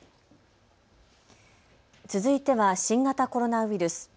続いては新型コロナウイルス。